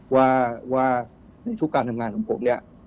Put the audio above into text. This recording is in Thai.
ว่าในทุกการทำงานของผมเนี่ย